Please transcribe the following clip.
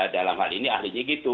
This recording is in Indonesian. dalam hal ini ahlinya gitu